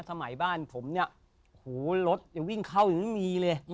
สมัยบ้านผมเนี่ยหูรถยังวิ่งเข้ายังไม่มีเลย